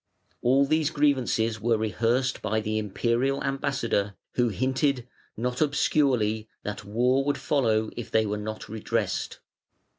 All these grievances were rehearsed by the Imperial ambassador, who hinted, not obscurely, that war would follow if they were not redressed.